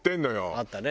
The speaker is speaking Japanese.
あったね。